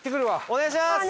お願いします！